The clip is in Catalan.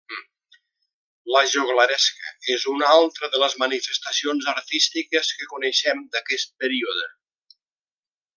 La joglaresca és una altra de les manifestacions artístiques que coneixem d'aquest període.